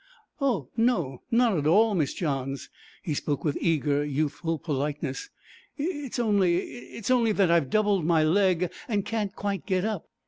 'Oh! no, not at all, Miss Johns' (he spoke with eager, youthful politeness); 'it's only it's only that I've doubled my leg and can't quite get up.'